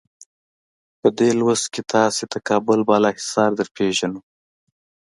په دې لوست کې تاسې ته کابل بالا حصار درپېژنو.